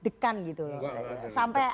dekat gitu loh